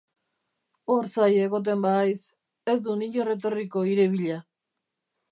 Hor zai egoten bahaiz, ez dun inor etorriko hire bila!